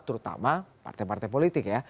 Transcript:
terutama partai partai politik ya